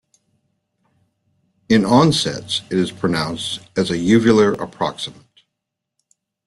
In onsets, it is pronounced as a uvular approximant.